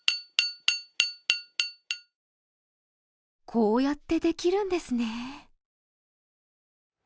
こうやってできるんですね。